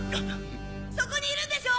・そこにいるんでしょ？